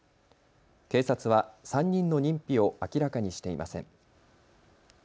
警察は３人の認否を明らかにしていません。